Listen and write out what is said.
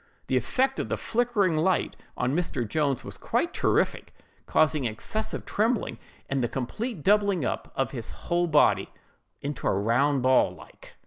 The effect of the 'flickering light' on Mr. Jones was quite terrific, causing excessive trembling, and the complete doubling up of his whole body into a round ball, like."